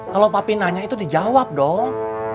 kalau papi nanya itu dijawab dong